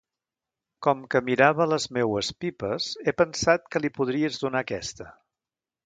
Com que mirava les meues pipes, he pensat que li podries donar aquesta.